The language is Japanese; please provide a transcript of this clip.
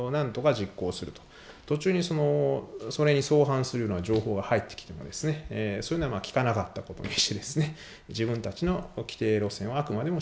途中にそれに相反するような情報が入ってきてもそういうのは聞かなかった事にして自分たちの規定路線をあくまでも粛々と進めると。